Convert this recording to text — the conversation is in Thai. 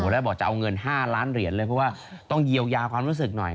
แล้วบอกจะเอาเงิน๕ล้านเหรียญเลยเพราะว่าต้องเยียวยาความรู้สึกหน่อย